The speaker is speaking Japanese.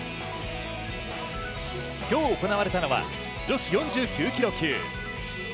今日行われたのは女子４９キロ級。